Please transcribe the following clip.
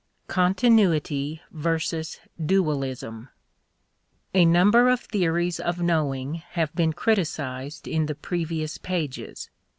Continuity versus Dualism. A number of theories of knowing have been criticized in the previous pages.